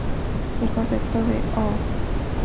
El concepto de "Oh!